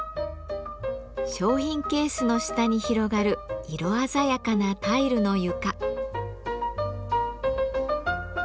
商品ケースの下に広がる色鮮やかなタイルの床。